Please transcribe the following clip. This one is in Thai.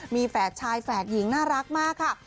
มีแฝดชายแฝดหญิงน่ารักมากค่ะ